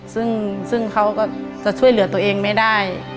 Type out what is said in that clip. ซึ่งเขาก็จะช่วยเหลือตัวเองไม่ได้